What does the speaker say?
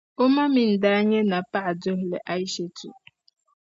O ma mi n-daa nyɛ Napaɣi Duhili Ayishetu.